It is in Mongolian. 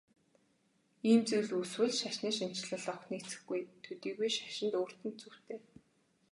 Ийм зүйл үүсвэл шашны шинэчлэлд огт нийцэхгүй төдийгүй шашинд өөрт нь цөвтэй.